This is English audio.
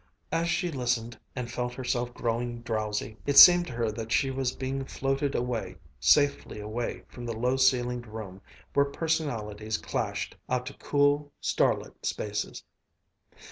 As she listened and felt herself growing drowsy, it seemed to her that she was being floated away, safely away from the low ceilinged room where personalities clashed, out to cool, star lit spaces.